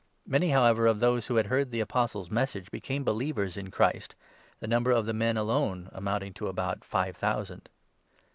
Many, however, of those who had heard the Apostles' 4 Message became believers in Christ, the number of the men alone amounting to about five thousand.